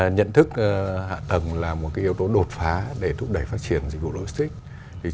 nhận thức hạ tầng là một yếu tố đột phá để thúc đẩy phát triển dịch vụ logistics